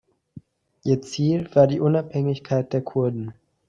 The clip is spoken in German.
Ihr Ziel war die Unabhängigkeit der Kurden.